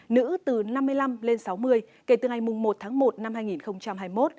nữ từ năm mươi năm lên sáu mươi kể từ ngày một tháng một năm hai nghìn hai mươi một